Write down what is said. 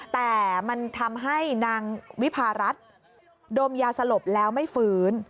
แต่มันทำให้นางวิพารัฐดมยาสลบแล้วไม่ฟื้น